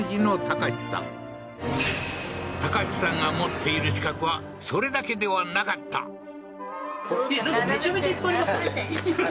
孝司さんが持っている資格はそれだけではなかったははははっえっ？